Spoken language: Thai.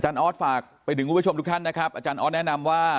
ออร์ดฝากไปดึงคุณผู้ชมทุกท่านนะครับออร์ดแนะนำว่า